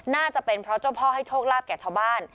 น่าจะเป็นเพราะเจ้าพ่อให้โชคลาภแก่ชาวบ้าน